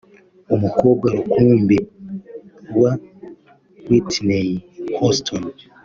umukobwa rukumbi wa Whitney Houston